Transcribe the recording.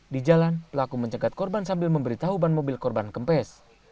di jalan pelaku mencegat korban sambil memberitahu ban mobil korban kempes